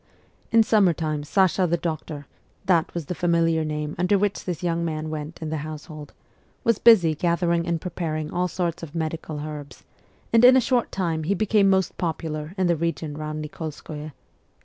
In summer time Sasha the Doctor that was the familiar name under which this young man went in the household was busy gathering and preparing all sorts of medical herbs, and in a short time he became most popular in the region round Nik61skoye.